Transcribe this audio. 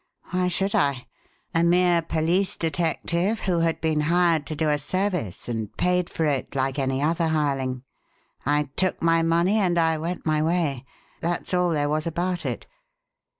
Why should I? a mere police detective, who had been hired to do a service and paid for it like any other hireling. I took my money and I went my way; that's all there was about it.